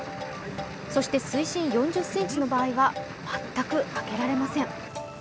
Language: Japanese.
そして水深４０ｃｍの場合は全く開けられません。